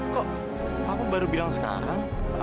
kok aku baru bilang sekarang